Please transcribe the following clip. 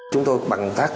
chúng tôi bằng tác